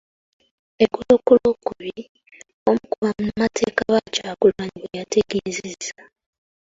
Eggulo ku Lwokubiri, omu ku bannamateeka ba Kyagulanyi bwe yategeezezza.